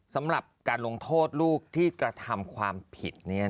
สำหรับการลงโทษลูกที่กระทำความผิด